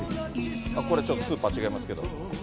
これちょっと、スーパー違いますけど。